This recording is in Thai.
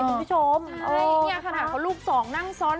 คุณผู้ชมเนี่ยขนาดเขาลูกสองนั่งซ้อน